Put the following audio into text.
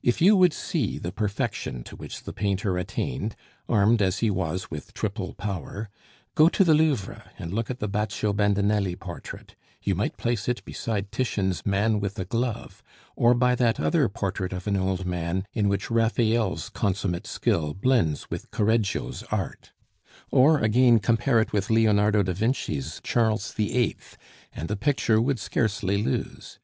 If you would see the perfection to which the painter attained (armed as he was with triple power), go to the Louvre and look at the Baccio Bandinelli portrait; you might place it beside Titian's Man with a Glove, or by that other Portrait of an Old Man in which Raphael's consummate skill blends with Correggio's art; or, again, compare it with Leonardo da Vinci's Charles VIII., and the picture would scarcely lose.